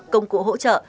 công cụ hỗ trợ